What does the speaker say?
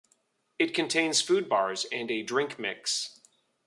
It contains food bars and a drink mix.